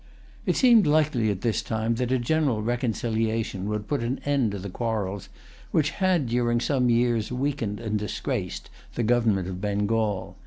It seemed likely at this time that a general reconciliation would put an end to the quarrels which had, during some years, weakened and disgraced the government of Bengal.